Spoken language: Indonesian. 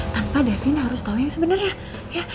tanpa davin harus tau yang sebenernya